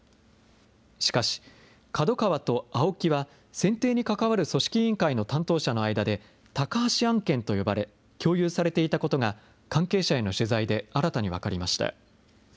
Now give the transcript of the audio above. しかし、ＫＡＤＯＫＡＷＡとＡＯＫＩは、選定に関わる組織委員会の担当者の間で、高橋案件と呼ばれ、共有されていたことが、関係者への取材で新たに分かりました。